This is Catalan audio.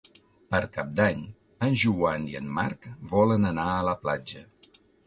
Per Cap d'Any en Joan i en Marc volen anar a la platja.